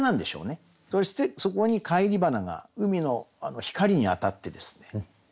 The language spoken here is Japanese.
そしてそこに返り花が海の光に当たってですね